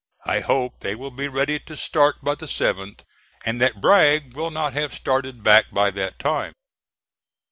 I hope they will be ready to start by the 7th, and that Bragg will not have started back by that time.